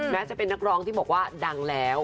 แม้จะเป็นนักร้องที่บอกว่าดังแล้ว